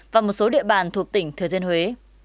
và một số địa bàn thuộc tỉnh thừa thiên huế